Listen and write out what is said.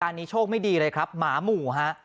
อันนี้โชคไม่ดีเลยครับหมาหมู่ฮะ